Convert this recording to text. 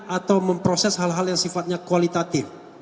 atau memproses hal hal yang sifatnya kualitatif